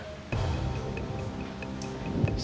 mungkin sekarang kim aung ada di tengah hutan